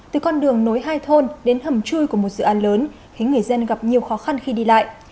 từ con đường nối hai thôn đến hầm chui của một dự án lớn khiến người dân gặp nhiều khó khăn khi đi lại